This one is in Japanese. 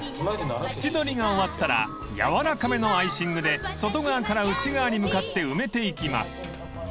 ［縁取りが終わったら軟らかめのアイシングで外側から内側に向かって埋めていきます］